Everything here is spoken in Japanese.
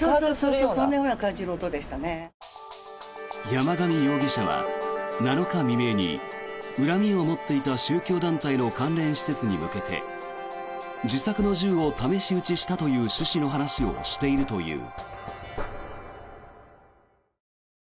山上容疑者は７日未明に恨みを持っていた宗教団体の関連施設に向けて自作の銃を試し撃ちしたという趣旨の話をしているという。